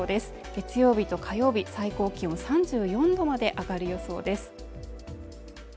月曜日と火曜日、最高気温３４度まで上がる予想です。